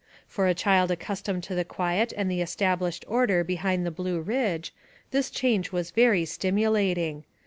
"For a child accustomed to the quiet and the es tablished order behind the Blue Ridge, this change was very stimulating.